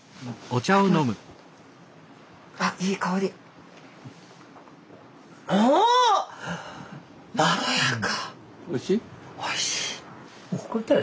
おいしい！